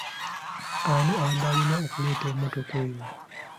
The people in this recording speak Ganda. Ani abadde alina okuleeta emmotoka eyo?